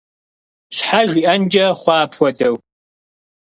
Щхьэ жиӀэнкӀэ хъуа апхуэдэу?